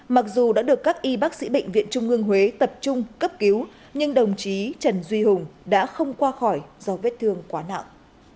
mặc dù đã được các y bác sĩ bệnh viện trung ương huế tập trung cấp cứu nhưng đồng chí trần duy hùng đã không qua khỏi do vết thương quá nặng